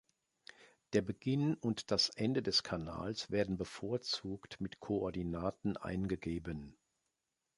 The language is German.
Der Beginn und das Ende des Kanals werden bevorzugt mit Koordinaten eingegeben.